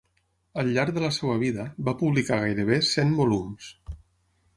Al llarg de la seva vida va publicar gairebé cent volums.